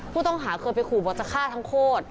ผู้ต้องหาเคยไปขู่บอกจะฆ่าทั้งโคตร